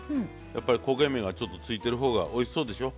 やっぱり焦げ目がちょっとついてる方がおいしそうでしょ？